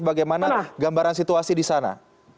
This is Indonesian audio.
bagaimana gambaran situasi di sana